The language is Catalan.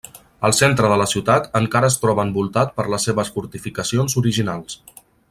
El centre de la ciutat encara es troba envoltat per les seves fortificacions originals.